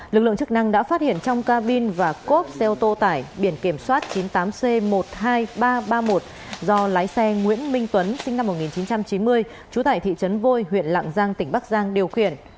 lực lượng chức năng đã phát hiện trong cabin và cốp xe ô tô tải biển kiểm soát chín mươi tám c một mươi hai nghìn ba trăm ba mươi một do lái xe nguyễn minh tuấn sinh năm một nghìn chín trăm chín mươi trú tại thị trấn vôi huyện lạng giang tỉnh bắc giang điều khiển